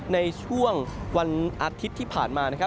ในช่วงวันอาทิตย์ที่ผ่านมา